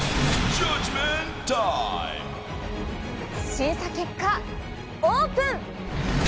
審査結果、オープン。